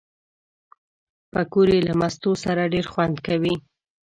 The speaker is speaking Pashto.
پکورې له مستو سره ډېر خوند کوي